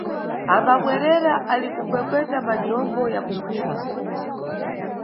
Ambabwerera ali kukwekweta majombo ya kukhwima.